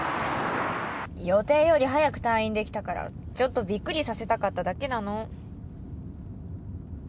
予定より早く退院できたからちょっとびっくりさせたかっただけなの。